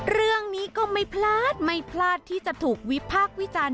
เรื่องนี้ก็ไม่พลาดไม่พลาดที่จะถูกวิพากษ์วิจารณ์